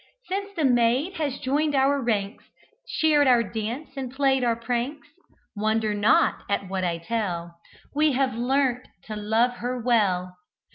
Since the maid has joined our ranks, Shared our dance, and played our pranks (Wonder not at what I tell), We have learnt to love her well.